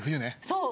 そう。